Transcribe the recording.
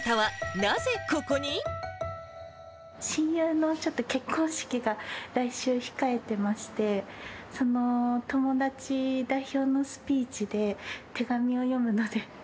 親友のちょっと結婚式が、来週控えてまして、その友達代表のスピーチで、手紙を読むので。